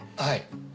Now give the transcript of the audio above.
はい。